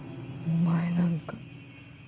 お前なんか。